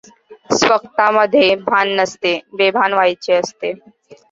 स्वगता मध्ये भान नसते, बेभान व्हायचे असते.